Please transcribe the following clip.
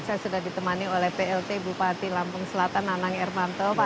saya sudah ditemani oleh plt bupati lampung selatan anang ermanto